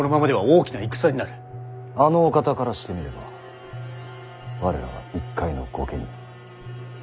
あのお方からしてみれば我らは一介の御家人。